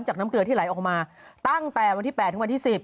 น้ำเกลือที่ไหลออกมาตั้งแต่วันที่๘ถึงวันที่๑๐